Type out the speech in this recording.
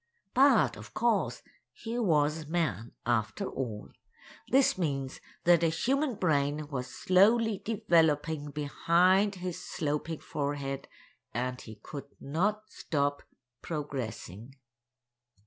But, of course, he was a man, after all. This means that a human brain was slowly developing behind his sloping forehead, and he could not stop progressing.